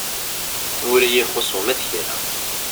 Ur iyi-ixus uma d kra.